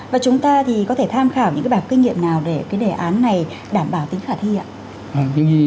và chúng ta thì có thể tham khảo những cái bạp kinh nghiệm nào để cái đề án này đảm bảo tính khả thi ạ